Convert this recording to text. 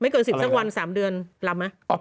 เกิน๑๐สักวัน๓เดือนลำไหม